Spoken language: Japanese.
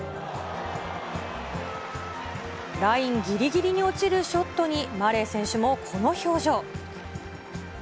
ラインぎりぎりに落ちるショットにマレー選手もこの表情。